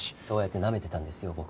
そうやってなめてたんですよ